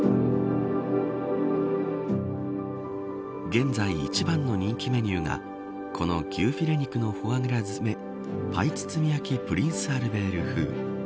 現在、一番の人気メニューがこの牛フィレ肉のフォア・グラ詰めパイ包み焼きプリンスアルベール風。